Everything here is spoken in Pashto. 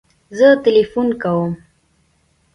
زه تلیفون کوم